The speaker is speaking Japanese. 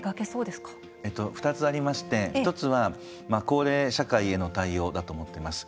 ２つありまして一つは高齢社会への対応だと思ってます。